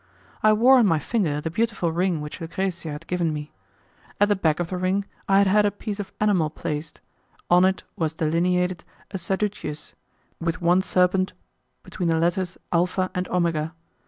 I wore on my finger the beautiful ring which Lucrezia had given me. At the back of the ring I had had a piece of enamel placed, on it was delineated a saduceus, with one serpent between the letters Alpha and Omega.